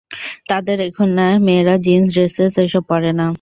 তাদের এখানে মেয়েরা জিন্স, ড্রেসেস এসব পরে না।